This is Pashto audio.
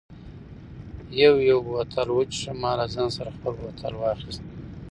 یو یو بوتل و څښه، ما له ځان سره خپل بوتل واخیست.